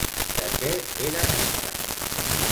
De què era membre?